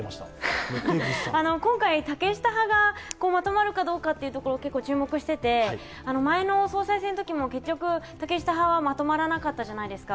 今回、竹下派がまとまるかどうかというところを結構注目していて前の総裁選のときも結局、竹下派はまとまらなかったじゃないですか。